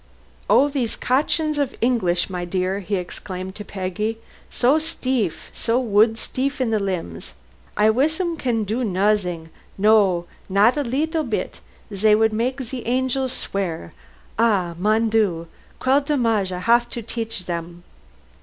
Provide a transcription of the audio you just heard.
"Oh, these cochons of English, my dear," he exclaimed to Peggy, "so steef so wood steef in the limbs. Wis 'em I kin do noozzn', no, not a leetle bit. Zey would make ze angils swear. Ah, mon Dieu, quel dommage I haf to teach zem."